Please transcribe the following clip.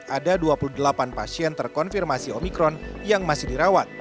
ada dua puluh delapan pasien terkonfirmasi omikron yang masih dirawat